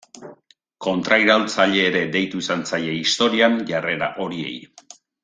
Kontrairaultzaile ere deitu izan zaie historian jarrera horiei.